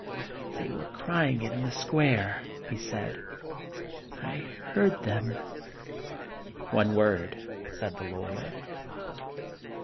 "They were crying it in the square," he said ;" I heard them." " One word," said the lawyer.